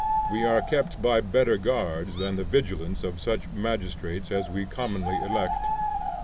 We are kept by better guards than the vigilance of such magistrates as we commonly elect.